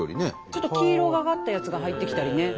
ちょっと黄色がかったやつが入ってきたりね。